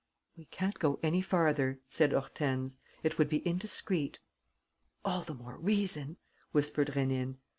"We can't go any farther," said Hortense. "It would be indiscreet." "All the more reason," whispered Rénine.